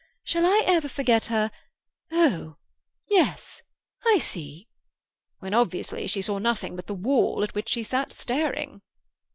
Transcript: Shall I ever forget her. "Oh—yes—I see"?—when obviously she saw nothing but the wall at which she sat staring."